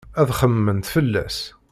Ad xemmement fell-as.